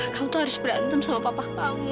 kamu tuh harus berantem sama papa kamu